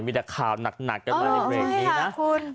มีแต่ข่าวหนักกันมาในเบรกนี้นะคุณ